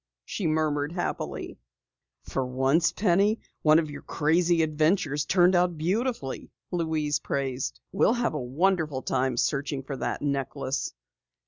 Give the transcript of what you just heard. she murmured happily. "For once, Penny, one of your crazy adventures turned out beautifully," Louise praised. "We'll have a wonderful time searching for that necklace!